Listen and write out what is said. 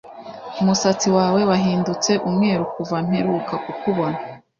Umusatsi wawe wahindutse umweru kuva mperuka kukubona.